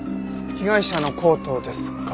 被害者のコートですか。